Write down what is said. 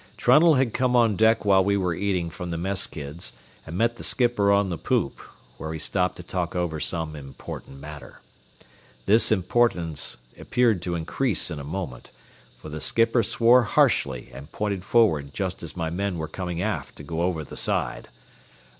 Trunnell had come on deck while we were eating from the mess kids, and met the skipper on the poop, where he stopped to talk over some important matter. This importance appeared to increase in a moment, for the skipper swore harshly and pointed forward just as my men were coming aft to go over the side.